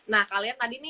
nah kalian tadi nih